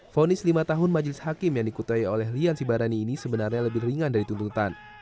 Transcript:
fonis lima tahun majelis hakim yang dikutai oleh lian sibarani ini sebenarnya lebih ringan dari tuntutan